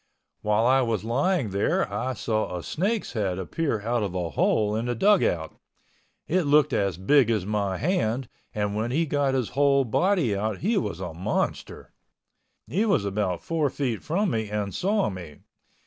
While I was lying there I saw a snake's head appear out of a hole in the dugout. It looked as big as my hand and when he got his whole body out he was a monster. He was about four feet from me and saw me.